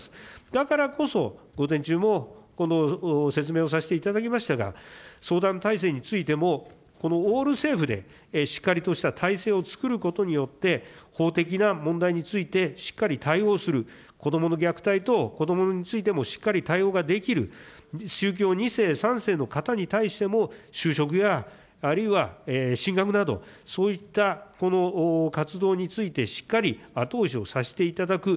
だからこそ、午前中もこの説明をさせていただきましたが、相談体制についてもこのオール政府でしっかりとした体制をつくることによって、法的な問題について、しっかり対応する、子どもの虐待等、子どもについてもしっかり対応ができる、宗教２世、３世の方に対しても、就職やあるいは進学など、そういったこの活動について、しっかり後押しをさせていただく。